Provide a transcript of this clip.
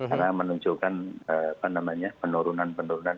karena menunjukkan penurunan penurunan